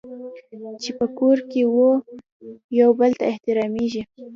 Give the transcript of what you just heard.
چې په کور کې وو یو بل ته حرامېږي.